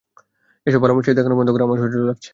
এসব ভালোমানুষি দেখানো বন্ধ কর, আমার অসহ্য লাগছে।